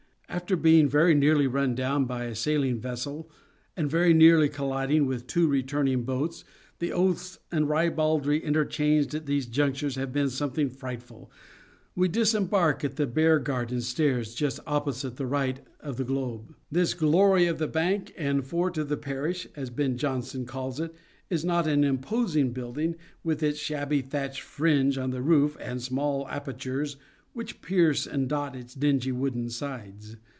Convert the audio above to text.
After being very nearly run down by a sailing vessel and very nearly colliding with two returning boats — the oaths and ribaldry interchanged at these junctures have been something frightful — ^we disembark at The Bear Garden stairs just opposite the right of The Globe. This " glory of the Bank and fort of the parish," as Ben Jonson calls it, is not an imposing building, with its shabby thatch fringe on the roof and the small apertures which pierce and dot its dingy wooden sides.